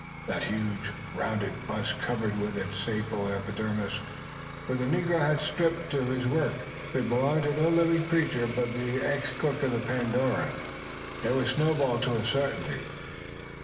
That huge, rounded bust covered with its sable epidermis for the negro had stripped to his work, surmounted by a spherical occiput, could belong to no living creature but the ex cook of the Pandora. It was Snowball to a certainty!